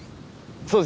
そうです。